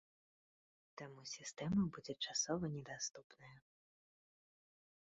Таму сістэма будзе часова недаступная.